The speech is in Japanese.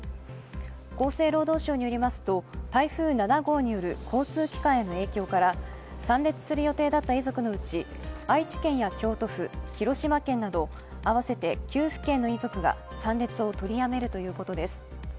厚生労働省によりますと、台風７号による交通機関への影響から参列する予定だった遺族のうち、愛知県や京都府、広島県など合わせて９府県の遺族が参列を取りやめるということです。